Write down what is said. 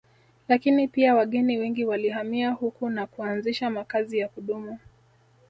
Lakini pia wageni wengi walihamia huku na kuanzisha makazi ya kudumu